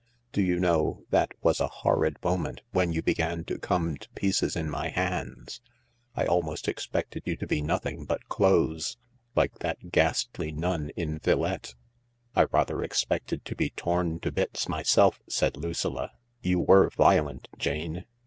Do you know, that was a horrid moment, when you began to come to pieces in my hands. I almost expected you to be nothing but clothes, like that ghastly nun in 'Villette.' "" I rather expected to be torn to bits myself," said Lucilla. " You were violent, Jane."